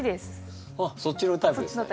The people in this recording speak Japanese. あっそっちのタイプですね。